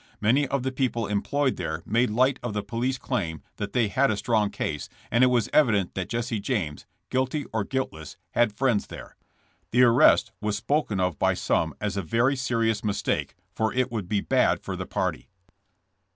Many of the people employed there made light of the police claim that they had a strong case, and it was evident that Jesse James, guilty or guiltless, had friends there. The arrest was spoken of by some as a very serious mistake, for it would be 'bad for the party.'